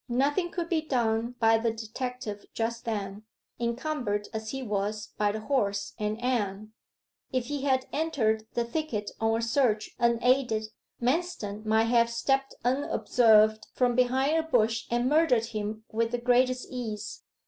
Nothing could be done by the detective just then, encumbered as he was by the horse and Anne. If he had entered the thicket on a search unaided, Manston might have stepped unobserved from behind a bush and murdered him with the greatest ease.